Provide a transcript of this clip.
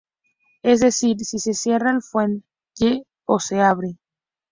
Es decir, si se cierra el fuelle o se abre.